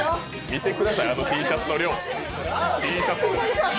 見てください、あのＴシャツの量。